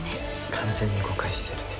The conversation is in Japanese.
完全に誤解してるね。